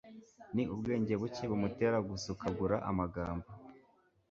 ni ubwenge buke bumutera gusukagura amagambo